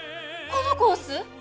このコース